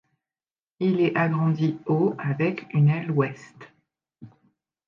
Il est agrandi au avec une aile ouest.